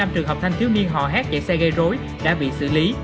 năm mươi năm trường hợp thanh thiếu niên họ hát chạy xe gây rối đã bị xử lý